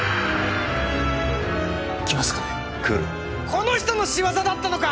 この人の仕業だったのか！